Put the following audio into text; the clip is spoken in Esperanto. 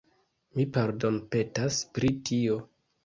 Mi pardonpetas pri tio.